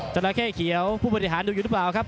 ราเข้เขียวผู้บริหารดูอยู่หรือเปล่าครับ